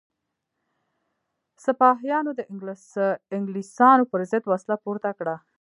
سپاهیانو د انګلیسانو پر ضد وسله پورته کړه.